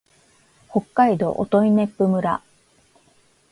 北海道音威子府村